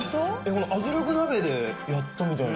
圧力鍋でやったみたいな。